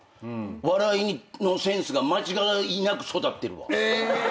笑いのセンスが間違いなく育ってるわ。